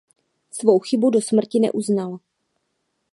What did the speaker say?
Svou chybu do smrti neuznal.